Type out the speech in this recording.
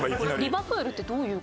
リヴァプールってどういう事？